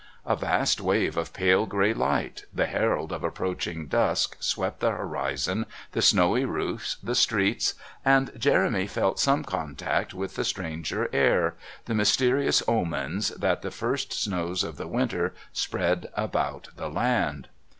A vast wave of pale grey light, the herald of approaching dusk, swept the horizon, the snowy roofs, the streets, and Jeremy felt some contact with the strange air, the mysterious omens that the first snows of the winter spread about the land.